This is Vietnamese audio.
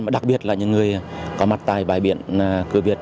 và đặc biệt là những người có mặt tại bãi biển cửa việt